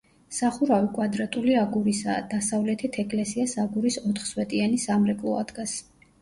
სახურავი კვადრატული აგურისაა: დასავლეთით ეკლესიას აგურის ოთხსვეტიანი სამრეკლო ადგას.